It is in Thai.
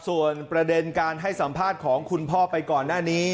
ส่วนประเด็นการให้สัมภาษณ์ของคุณพ่อไปก่อนหน้านี้